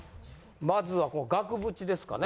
まずはこの額縁ですかね？